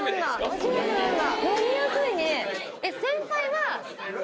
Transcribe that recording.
初めて飲んだ。